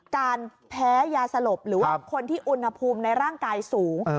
การแพ้ยาสลบหรือว่าคนที่อุณหภูมิในร่างกายสูง